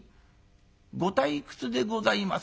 ご退屈でございます？